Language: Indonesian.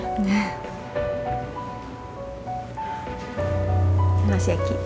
sama si yaki